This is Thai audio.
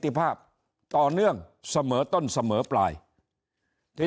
ถ้าท่านผู้ชมติดตามข่าวสาร